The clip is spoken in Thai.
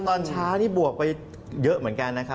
ตอนเช้านี่บวกไปเยอะเหมือนกันนะครับ